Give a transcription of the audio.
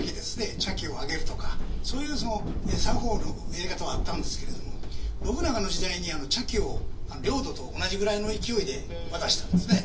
茶器をあげるとかそういうその作法のやり方はあったんですけれども信長の時代に茶器を領土と同じぐらいの勢いで渡したんですね。